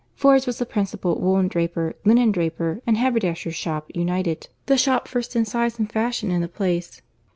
—Ford's was the principal woollen draper, linen draper, and haberdasher's shop united; the shop first in size and fashion in the place.